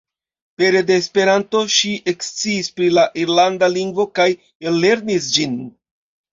Pere de Esperanto ŝi eksciis pri la irlanda lingvo kaj ellernis ĝin.